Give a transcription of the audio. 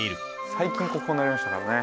最近国宝になりましたからね。